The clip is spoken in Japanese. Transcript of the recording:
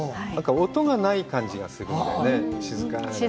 音がない感じがするんだよね、静かなね。